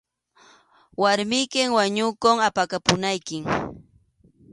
Warmiykim wañupun, apakapunaykim.